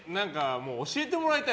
もう教えてもらいたい。